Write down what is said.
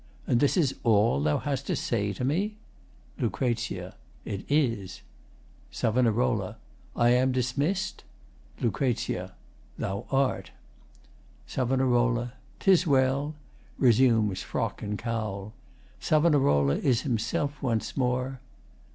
And this is all thou hast to say to me? LUC. It is. SAV. I am dismiss'd? LUC. Thou art. SAV. 'Tis well. [Resumes frock and cowl.] Savonarola is himself once more.